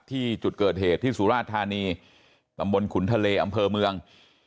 ที่จุดเกิดเหตุที่สุราชธานีตำบลขุนทะเลอำเภอเมือง